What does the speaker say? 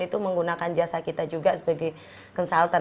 itu menggunakan jasa kita juga sebagai consultan